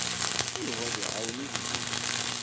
Yuba ad iɛawen igellilen.